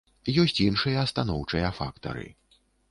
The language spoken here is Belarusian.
Ёсць іншыя станоўчыя фактары.